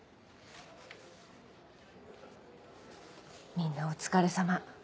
みんなお疲れさま。